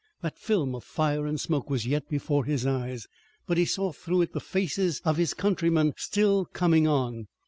That film of fire and smoke was yet before his eyes, but he saw through it the faces of his countrymen still coming on.